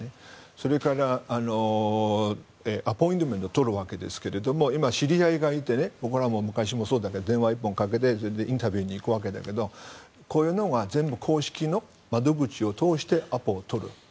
それからアポイントメントを取るわけですけど今、知り合いがいて僕らも昔もそうだけど電話１本かけてインタビューに行くわけだけどこういうのは全部公式の窓口を通してアポを取る。